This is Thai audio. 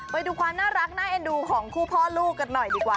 ไปดูความน่ารักน่าเอ็นดูของคู่พ่อลูกกันหน่อยดีกว่า